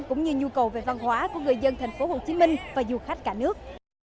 cũng như nhu cầu về văn hóa của người dân thành phố hồ chí minh và du khách cả nước